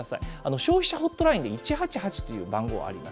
消費者ホットラインで１８８という番号があります。